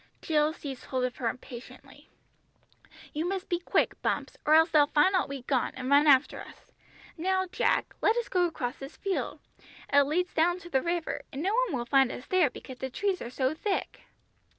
Jill seized hold of her impatiently. "You must be quick, Bumps, or else they'll find out we've gone, and run after us. Now, Jack, let us go across this field, it leads down to the river, and no one will find us there because the trees are so thick."